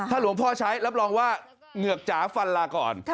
หลวงพ่อใช้รับรองว่าเหงือกจ๋าฟันลาก่อน